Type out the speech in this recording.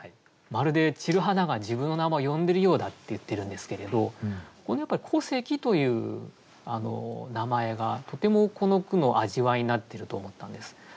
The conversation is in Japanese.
まるで散る花が自分の名前を呼んでるようだって言ってるんですけれどこのやっぱり「古関」という名前がとてもこの句の味わいになっていると思ったんです。